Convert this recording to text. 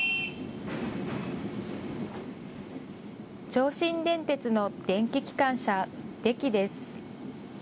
上信電鉄の電気機関車、デキです。